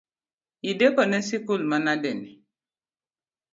Idekone sikul manade?